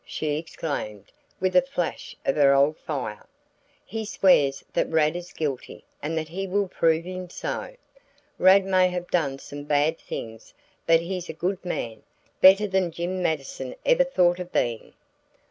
she exclaimed, with a flash of her old fire. "He swears that Rad is guilty and that he will prove him so. Rad may have done some bad things, but he's a good man better than Jim Mattison ever thought of being."